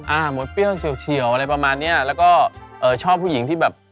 หมดเปรี้ยวเฉียวอะไรประมาณเนี้ยแล้วก็เอ่อชอบผู้หญิงที่แบบ